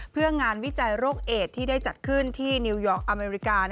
เพื่องานวิจัยโรคเอดที่ได้จัดขึ้นที่นิวยอร์กอเมริกา